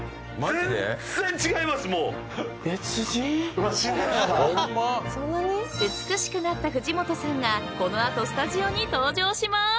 ［美しくなった藤本さんがこの後スタジオに登場します］